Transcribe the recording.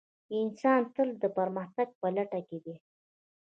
انسان تل د پرمختګ په لټه کې دی.